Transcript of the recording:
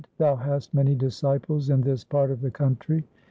Thou hast many disciples in this part of the country.